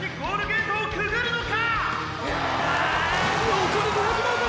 のこり５００ｍ！！